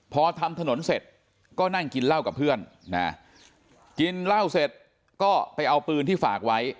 พอทำถนนเสร็จก็นั่งกินเหล้ากับเพื่อนนะกินเหล้าเสร็จก็ไปเอาปืนที่ฝากไว้